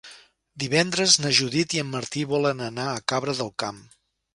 Divendres na Judit i en Martí volen anar a Cabra del Camp.